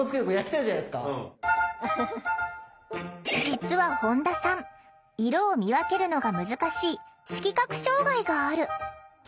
実は本田さん色を見分けるのが難しい色覚障害がある。